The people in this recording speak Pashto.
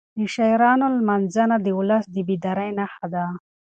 د شاعرانو لمانځنه د ولس د بیدارۍ نښه ده.